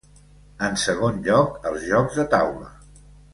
En segon lloc, els jocs de taula.